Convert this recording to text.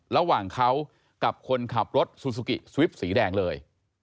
ระหว่างเขากับคนขับรถซูซูกิสวิปสีแดงเลย